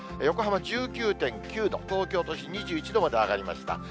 横浜１９．９度、東京都心２１度まで上がりました。